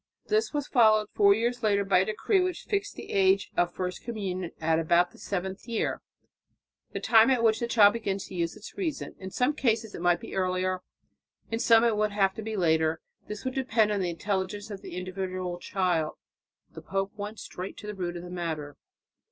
This was followed four years later by a decree which fixed the age of first communion at about the seventh year, the time at which the child begins to use its reason. In some cases it might be earlier; in some it would have to be later; this would depend on the intelligence of the individual child. The pope went straight to the root of the matter.